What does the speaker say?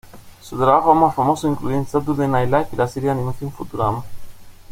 Sus trabajos más famosos incluyen Saturday Night Live y la serie de animación Futurama.